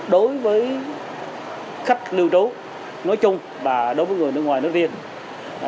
đối với khách lưu trú nói chung và đối với người nước ngoài nói riêng